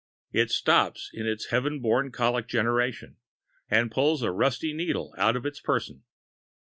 It stops in its heaven born colic generation, and pulls a rusty needle out of its person.